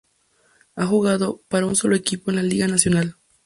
Ha jugado para un solo equipo en la Liga Nacional.